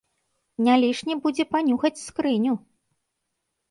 Не лішне будзе панюхаць скрыню!